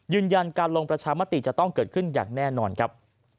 ยืนยันการลงประชามติจะต้องเกิดขึ้นอย่างแน่นอนครับ